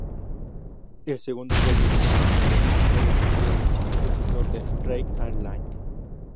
El segundo fue el disco destinado a ser el sucesor de "Reign of Light".